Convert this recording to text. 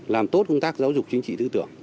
làm tốt công tác giáo dục chính trị tư tưởng